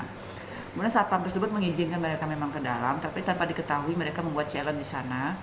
kemudian satpam tersebut mengizinkan mereka memang ke dalam tapi tanpa diketahui mereka membuat challenge di sana